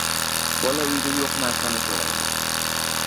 • Bola uyda yo‘q narsani so‘raydi.